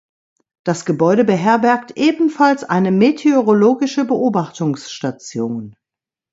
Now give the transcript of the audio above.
Das Gebäude beherbergt ebenfalls eine meteorologische Beobachtungsstation.